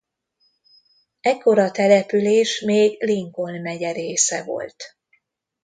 Ekkor a település még Lincoln megye része volt.